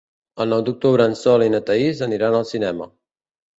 El nou d'octubre en Sol i na Thaís aniran al cinema.